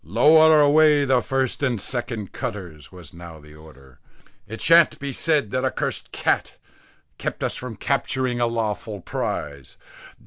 "Lower away the first and second cutters," was now the order. "It shan't be said, that a cursed cat kept us from capturing a lawful prize.